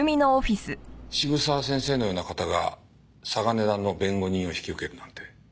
渋沢先生のような方が嵯峨根田の弁護人を引き受けるなんて。